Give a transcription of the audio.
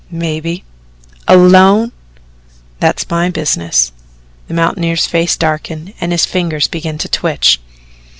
"Maybe." "Alone?" "That's my business." The mountaineer's face darkened and his fingers began to twitch.